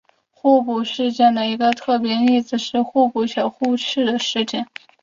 互补事件的一个特别例子是互补且互斥的事件。